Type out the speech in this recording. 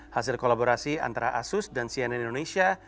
hasil kolaborasi antara asus dan cnn indonesia